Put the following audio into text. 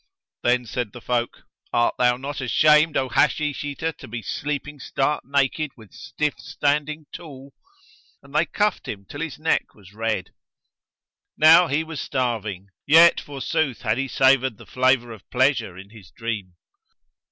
Then said the folk, "Art thou not ashamed, O Hashish eater, to be sleeping stark naked with stiff standing tool?" And they cuffed him till his neck was red. Now he was starving, yet forsooth had he savoured the flavour of pleasure in his dream.